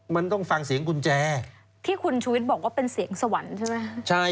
มันต้องฟังเสียงกุญแจที่คุณชูวิทย์บอกว่าเป็นเสียงสวรรค์ใช่ไหม